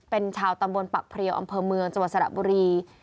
เป็นชาวตำบลปักเพลียวอำเภอเมืองจังหวัดสระบุรี